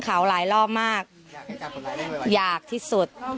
การแก้เคล็ดบางอย่างแค่นั้นเอง